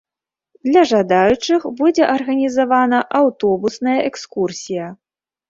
Для жадаючых будзе арганізавана аўтобусная экскурсія.